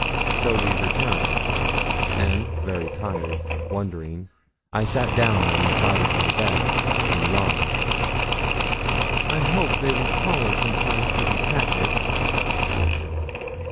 So we returned, and very tired, wondering, I sat down on the side of my bed and yawned. 'I hope they will call us in time for the packet,' I said.